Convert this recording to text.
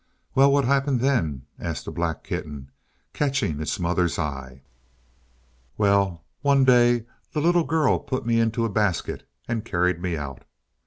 "Well, what happened then?" asked the black kitten, catching its mother's eye. "Well, one day the little girl put me into a basket, and carried me out.